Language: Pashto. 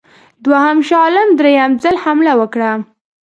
دوهم شاه عالم درېم ځل حمله وکړه.